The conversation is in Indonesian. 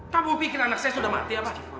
kamu pikir anak saya sudah mati apa